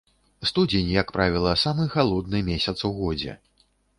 Студзень, як правіла, самы халодны месяц у годзе.